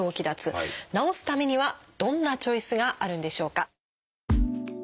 治すためにはどんなチョイスがあるんでしょうか？